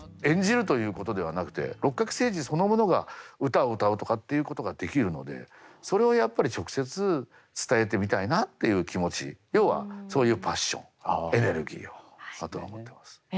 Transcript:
演じるということではなくて六角精児そのものが歌を歌うとかっていうことができるのでそれをやっぱり直接伝えてみたいなっていう気持ち要はそういうパッションエネルギーをだとは思ってます。